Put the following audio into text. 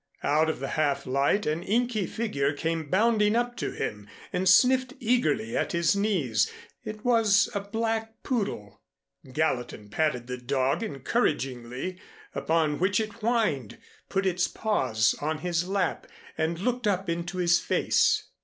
Out of the half light an inky figure came bounding up to him and sniffed eagerly at his knees. It was a black poodle. Gallatin patted the dog encouragingly, upon which it whined, put its paws on his lap and looked up into his face.